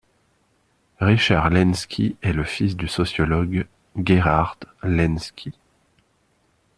Richard Lenski est le fils du sociologue Gerhard Lenski.